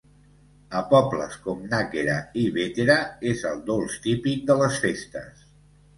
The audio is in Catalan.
A pobles com Nàquera i Bétera és el dolç típic de les festes.